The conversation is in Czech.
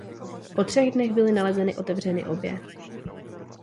Po třech dnech byly nalezeny otevřeny obě.